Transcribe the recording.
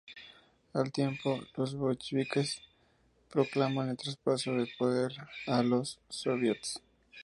Al tiempo, los bolcheviques proclamaban el traspaso del poder a los sóviets.